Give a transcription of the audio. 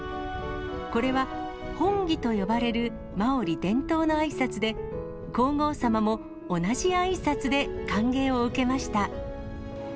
これはホンギと呼ばれるマオリ伝統のあいさつで、皇后さまも同じあいさつで歓迎を受けました。